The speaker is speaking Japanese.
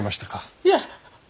いえ！